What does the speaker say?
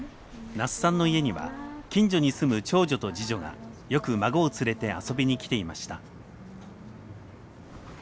那須さんの家には近所に住む長女と次女がよく孫を連れて遊びに来ていました。